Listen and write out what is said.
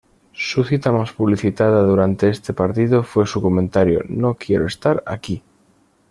Su cita más publicitada durante este partido fue su comentario: "No quiero estar aquí".